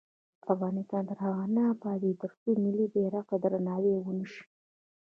افغانستان تر هغو نه ابادیږي، ترڅو ملي بیرغ ته درناوی ونشي.